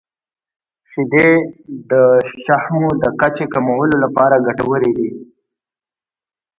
• شیدې د شحمو د کچې کمولو لپاره ګټورې دي.